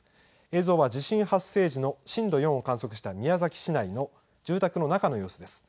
映像は地震発生時の震度４を観測した宮崎市内の住宅の中の様子です。